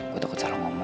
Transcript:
gue takut salah ngomong